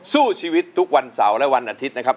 สู้ชีวิตทุกวันเสาร์และวันอาทิตย์นะครับ